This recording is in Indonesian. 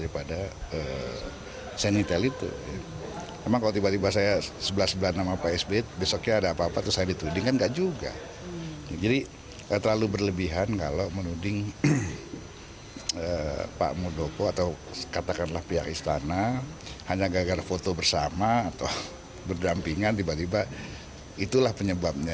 perlu berlebihan kalau menuding pak muldoko atau katakanlah pihak istana hanya gagal foto bersama atau bergampingan tiba tiba itulah penyebabnya